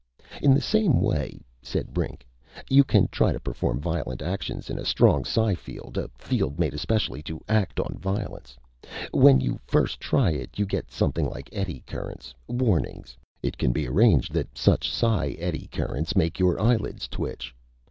"In the same way," said Brink, "you can try to perform violent actions in a strong psi field a field made especially to act on violence. When you first try it you get something like eddy currents. Warnings. It can be arranged that such psi eddy currents make your eyelids twitch.